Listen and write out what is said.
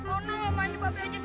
oh enak banget